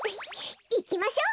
いきましょう。